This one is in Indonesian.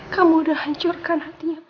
kau udh hancurkan hatinya papa